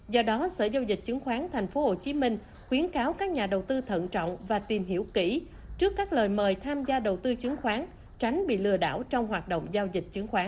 do đó sở giao dịch chứng khoán tp hcm khuyến cáo các nhà đầu tư thận trọng và tìm hiểu kỹ trước các lời mời tham gia đầu tư chứng khoán tránh bị lừa đảo trong hoạt động giao dịch chứng khoán